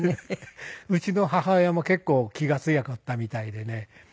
うちの母親も結構気が強かったみたいでね。